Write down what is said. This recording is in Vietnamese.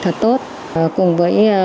thật tốt cùng với